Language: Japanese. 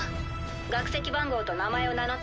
学籍番号と名前を名乗って。